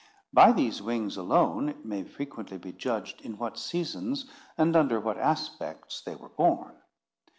By these wings alone, it may frequently be judged in what seasons, and under what aspects, they were born.